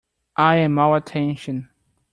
I am all attention.